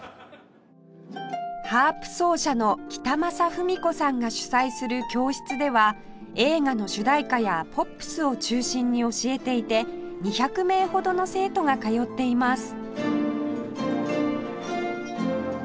ハープ奏者の北政扶美子さんが主宰する教室では映画の主題歌やポップスを中心に教えていて２００名ほどの生徒が通っています